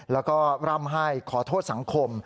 แล้วก็ร่ำให้ขอโทษสังคม